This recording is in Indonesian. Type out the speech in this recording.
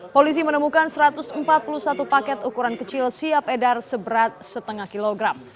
polisi menemukan satu ratus empat puluh satu paket ukuran kecil siap edar seberat setengah kilogram